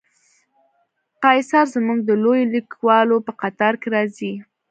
قیصر زموږ د لویو لیکوالو په قطار کې راځي.